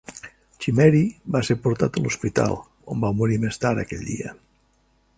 Chimeri va ser portar a l'hospital, on va morir més tard aquell dia.